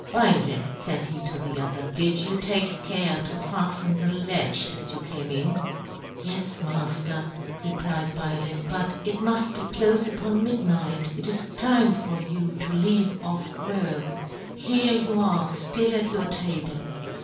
" Beildech," faid he to the other, " did you take care to faften the " latch as you came in }"" Yes, " Mafter," replied Beildech ;" but it " muft be clofe upon midnight, it is *' time for you to leave off work ;" here you are ftill at your table ; yohn Gutenberg.